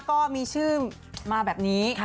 ก็มีชื่อมาแบบนี้